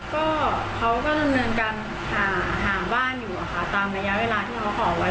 ก็เขาก็ดำเนินการหาบ้านอยู่ค่ะตามระยะเวลาที่เขาขอไว้